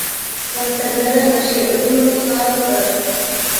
سندره د شعرونو ساز ده